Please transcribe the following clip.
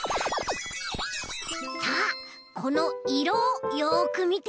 さあこのいろをよくみて。